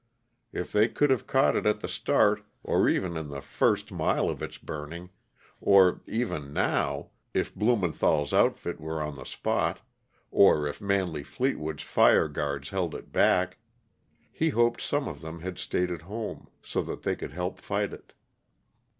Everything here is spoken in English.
If they could have caught it at the start, or even in the first mile of its burning or, even now, if Blumenthall's outfit were on the spot or if Manley Fleetwood's fire guards held it back He hoped some of them had stayed at home, so that they could help fight it.